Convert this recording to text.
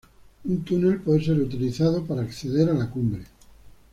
Un túnel puede ser utilizado para acceder a la cumbre.